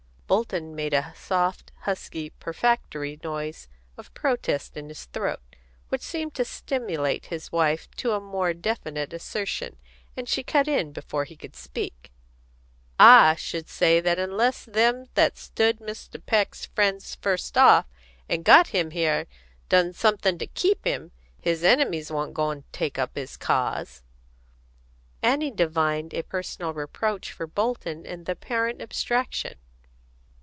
Bolton made a soft husky prefatory noise of protest in his throat, which seemed to stimulate his wife to a more definite assertion, and she cut in before he could speak "I should say that unless them that stood Mr. Peck's friends first off, and got him here, done something to keep him, his enemies wa'n't goin' to take up his cause." Annie divined a personal reproach for Bolton in the apparent abstraction.